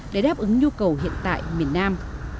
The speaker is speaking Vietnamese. để đáp ứng nhu cầu hiện tại miền nam